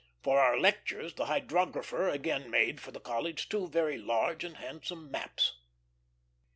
For our lectures the hydrographer again made for the College two very large and handsome maps.